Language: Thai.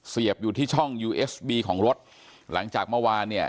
อยู่ที่ช่องยูเอสบีของรถหลังจากเมื่อวานเนี่ย